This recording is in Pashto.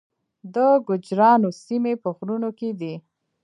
د ګوجرانو سیمې په غرونو کې دي